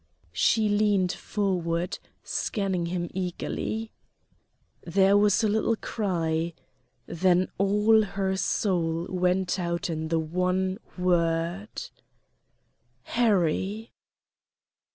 She leaned forward, scanning him eagerly. There was a little cry, then all her soul went out in the one word: "Harry!"